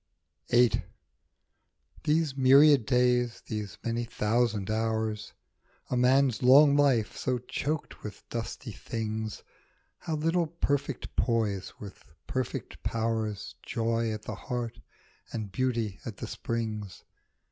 ii VIII. THESE myriad days, these many thou sand hours, A man's long life, so choked with dusty things, How little perfect poise with perfect powers, Joy at the heart and Beauty at the springs.